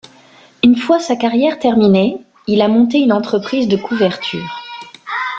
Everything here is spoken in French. Une fois sa carrière terminée, il a monté une entreprise de couverture.